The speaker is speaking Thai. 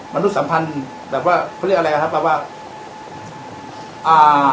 นุษยสัมพันธ์แบบว่าเขาเรียกอะไรอ่ะครับแบบว่าอ่า